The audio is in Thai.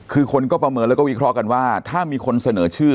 คือคนก็ประเมินแล้วก็วิเคราะห์กันว่าถ้ามีคนเสนอชื่อ